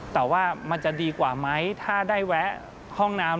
แต่ว่ามันจะดีกว่าไหมถ้าได้แวะห้องน้ำ